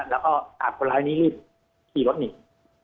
แล้วก็อาบคนร้ายนี้รีบขี่รถหนี